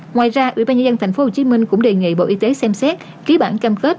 ngoài ra ủy ban nhân dân tp hcm cũng đề nghị bộ y tế xem xét ký bản cam kết